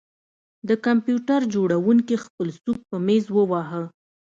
د کمپیوټر جوړونکي خپل سوک په میز وواهه